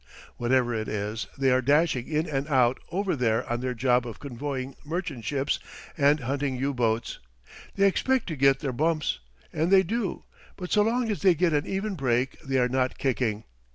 Whatever it is, they are dashing in and out over there on their job of convoying merchant ships and hunting U boats. They expect to get their bumps, and they do; but so long as they get an even break they are not kicking.